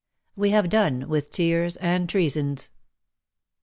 WE HAVE DONE WITH TEARS AND TREASONS.